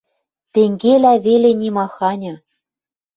Тенгелӓ веле нимаханьы